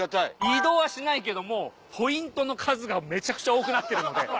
移動はしないけどもポイントの数がめちゃくちゃ多くなってるので。